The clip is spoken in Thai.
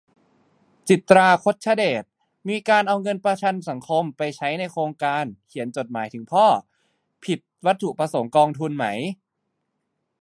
จิตรา คชเดช : มีการเอาเงินประกันสังคม ไปใช้ในโครงการ "เขียนจดหมายถึงพ่อ" ผิดวัตถุประสงค์กองทุนไหม ?